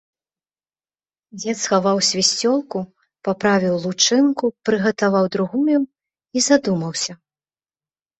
Дзед схаваў свісцёлку, паправіў лучынку, прыгатаваў другую і задумаўся.